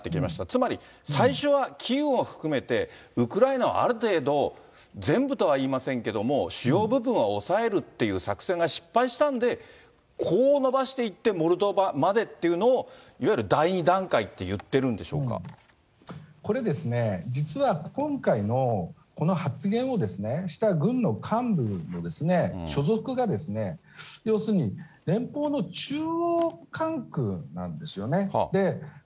つまり、最初はキーウを含めて、ウクライナをある程度、全部とはいいませんけれども、主要部分はおさえるっていう作戦が失敗したんで、こう延ばしていって、モルドバまでっていうのを、いわゆる第２段階って言ってるんこれですね、実は今回のこの発言をしたしかも軍の幹部の所属が、要するに連邦の中央管区なんですよね。